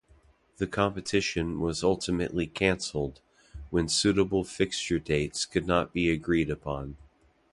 The competition was ultimately cancelled, when suitable fixture dates could not be agreed upon.